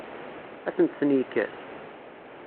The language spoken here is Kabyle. Ad asent-ten-yekkes?